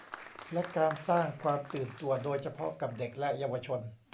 และการสร้างความตื่นตัวโดยเฉพาะกับเด็กและเยาวชน